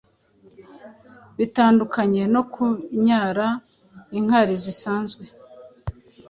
bitandukanye no kunyara inkari zisanzwe